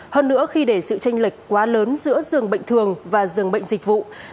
hơn nữa khi để sự tranh lệch quá lớn giữa dường bệnh thường và dường bệnh dịch vụ